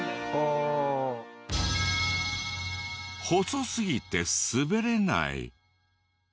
細すぎて滑れない。